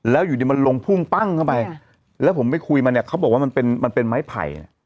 แล้วอยู่ดีมันลงพุ่งปั้งเข้าไปแล้วผมไปคุยมาเนี่ยเขาบอกว่ามันเป็นมันเป็นไม้ไผ่เนี่ย